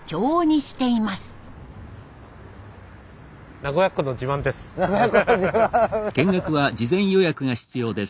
名古屋っ子の自慢です。